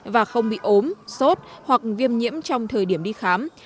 và không bị ốm sốt hoặc viêm nhiễm trong thời điểm đi khám